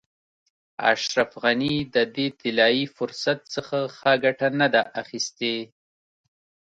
اشرف غني د دې طلایي فرصت څخه ښه ګټه نه ده اخیستې.